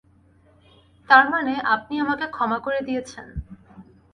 তারমানে আপনি আমাকে ক্ষমা করে দিয়েছেন?